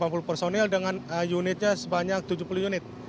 delapan puluh personil dengan unitnya sebanyak tujuh puluh unit